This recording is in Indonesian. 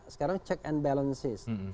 sekarang check and balances